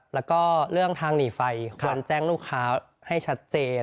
แล้วก็เรื่องทางหนีไฟควรแจ้งลูกค้าให้ชัดเจน